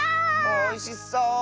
おいしそう！